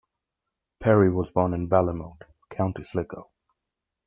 Perry was born in Ballymote, County Sligo.